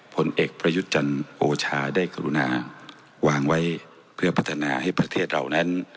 ผลเอกประยุทธ์จันทร์โอชาได้กรุณาวางไว้เพื่อพัฒนาให้ประเทศเรานั้น